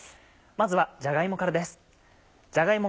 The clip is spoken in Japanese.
まずはじゃが芋からです。